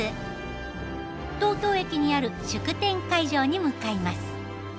東京駅にある祝典会場に向かいます。